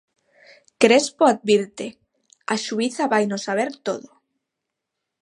Crespo advirte: "A xuíza vaino saber todo".